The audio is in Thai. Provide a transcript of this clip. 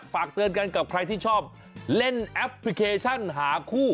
ฝากเตือนกันกับใครที่ชอบเล่นแอปพลิเคชันหาคู่